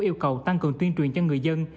yêu cầu tăng cường tuyên truyền cho người dân